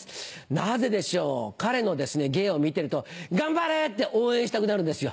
なぜでしょう彼の芸を見てると頑張れ！って応援したくなるんですよ。